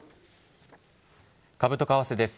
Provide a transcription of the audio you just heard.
株と為替です。